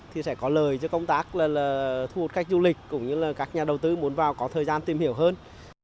thì sẽ có lời cho công tác là thu hút khách du lịch cũng như là các nhà đầu tư muốn vào có thời gian tìm hiểu hơn